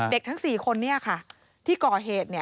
ทั้ง๔คนที่ก่อเหตุ